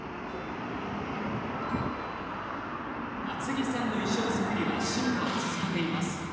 厚木さんの衣装作りは進化を続けています。